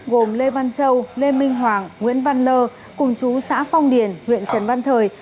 gồm lê văn châu lê minh hoàng nguyễn văn lơ cùng chú xã phong điền huyện trần văn thời